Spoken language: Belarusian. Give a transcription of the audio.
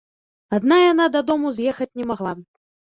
Адна яна дадому з'ехаць не магла.